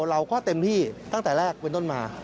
เราก็เต็มที่ตั้งแต่แรกเป็นต้นมา